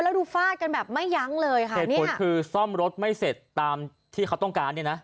เหตุผลคือซ่อมรถไม่เสร็จตามที่เค้าต้องการ